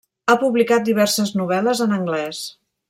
Ha publicat diverses novel·les en anglès.